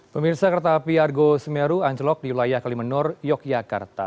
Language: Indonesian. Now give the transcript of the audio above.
pemirsa kereta api argo semeru anjlok di wilayah kalimenur yogyakarta